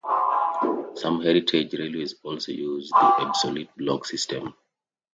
Some heritage railways also use the absolute block system.